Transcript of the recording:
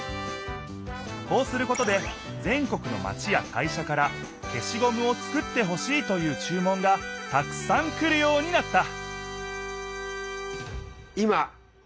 こうすることで全国のまちや会社から消しゴムを作ってほしいという注文がたくさん来るようになった！